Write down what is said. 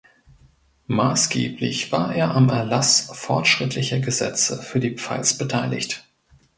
Maßgeblich war er am Erlass fortschrittlicher Gesetze für die Pfalz beteiligt.